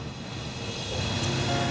wah fik seaneh banget